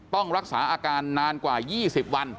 ต้องรักษาอาการนานกว่า๒๐วัน